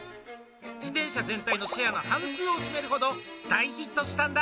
自転車全体のシェアの半数を占めるほど、大ヒットしたんだ。